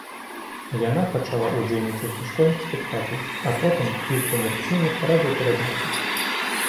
Яна пачала ўдзельнічаць у школьных спектаклях, а потым і ў камерцыйных радыёперадачах.